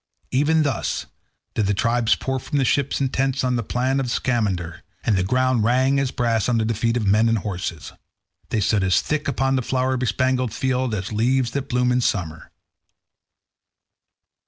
Even thus did their tribes pour from ships and tents on to the plain of the Scamander, and the ground rang as brass under the feet of men and horses. They stood as thick upon the flower bespangled field as leaves that bloom in summer.